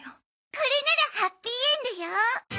これならハッピーエンドよ。